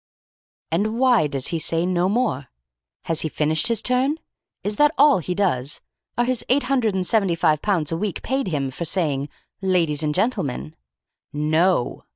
"And why does he say no more? Has he finished his turn? Is that all he does? Are his eight hundred and seventy five pounds a week paid him for saying, 'Ladies and Gentlemen'? "No!